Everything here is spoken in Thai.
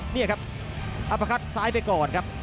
นี่ครับอัพคัดซ้ายไปก่อนครับ